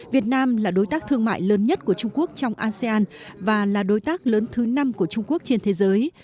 việt nam là đối tác thương mại lớn nhất của trung quốc trong asean và là đối tác lớn thứ năm của trung quốc trên thế giới